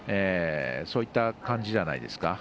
そういった感じじゃないですか。